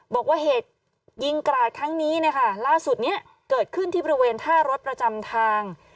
บอกว่าเหตุยิงกราดครั้งนี้นะคะล่าสุดเนี่ยเกิดขึ้นที่บริเวณท่ารถประจำทาง